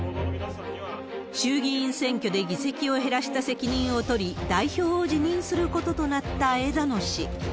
衆議院選挙で議席を減らした責任を取り、代表を辞任することとなった枝野氏。